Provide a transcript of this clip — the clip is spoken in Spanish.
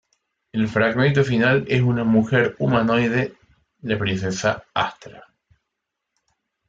El fragmento final es una mujer humanoide, la princesa Astra.